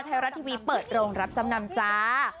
ไทยรัฐทีวีเปิดโรงรับจำนำจ้า